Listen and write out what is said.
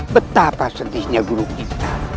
betapa sedihnya guru kita